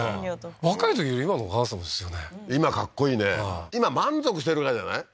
若いときより今のほうがハンサムですよね今かっこいいね今満足してるからじゃない？